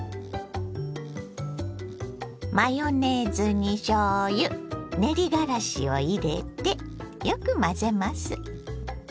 マヨネーズにしょうゆ練りがらしを入れてよく混ぜます。